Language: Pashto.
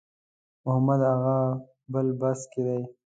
محمد هغه بل بس کې دی.